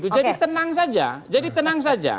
jadi tenang saja